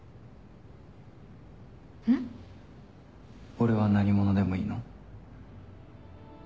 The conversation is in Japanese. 俺は何者でもいいの？